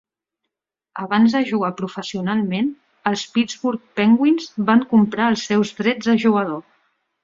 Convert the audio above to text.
Abans de jugar professionalment, els Pittsburgh Penguins van comprar els seus drets de jugador.